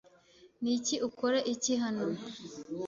Niki ukora iki hano?